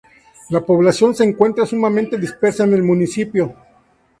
La población se encuentra sumamente dispersa en el municipio.